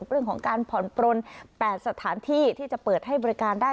เรื่องของการผ่อนปลน๘สถานที่ที่จะเปิดให้บริการได้